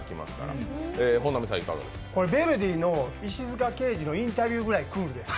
ヴェルディーの石塚のインタビューぐらいクールです。